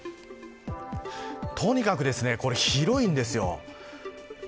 とにかく広いんですよ。